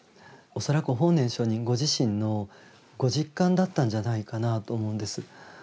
恐らく法然上人ご自身のご実感だったんじゃないかなと思うんです。